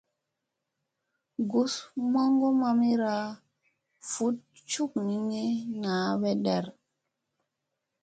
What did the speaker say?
Gusu moŋgo mamira vuɗ cuknini naa werɗeɗ.